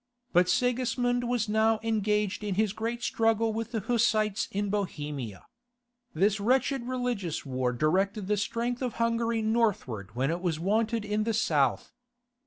But Sigismund was now engaged in his great struggle with the Hussites in Bohemia. This wretched religious war directed the strength of Hungary northward when it was wanted in the south.